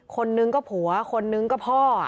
คนนึงก็ผัวคนนึงก็พ่อ